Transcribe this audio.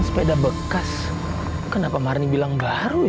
sepeda bekas kenapa marni bilang baru ya